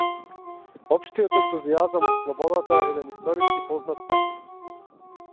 Општиот ентузијазам од слободата е еден историски познат факт.